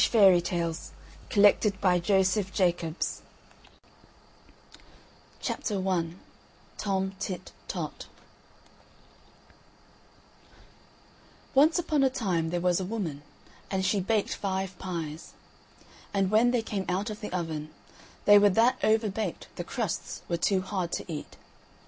XLIII. THE THREE HEADS OF THE WELL NOTES AND REFERENCES TOM TIT TOT Once upon a time there was a woman, and she baked five pies. And when they came out of the oven, they were that overbaked the crusts were too hard to eat.